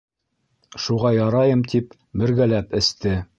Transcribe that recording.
Шуға ярайым тип, бергәләп эсте.